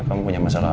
kamu punya masalah apa